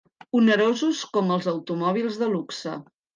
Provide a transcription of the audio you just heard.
Onerosos com els automòbils de luxe.